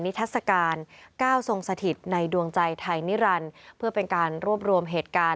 นิทรัศน์การ๙ทรงสถิตในดวงใจไทยนิรันด์เพื่อเป็นการร่วมรวมเหตุการณ์